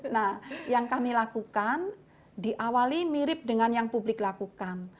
nah yang kami lakukan diawali mirip dengan yang publik lakukan